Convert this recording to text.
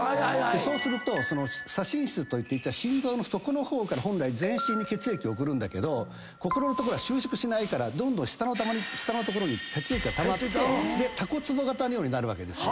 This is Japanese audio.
そうすると左心室といって心臓の底の方から本来全身に血液を送るんだけどここの所が収縮しないからどんどん下の所に血液がたまってたこつぼ型のようになるわけです。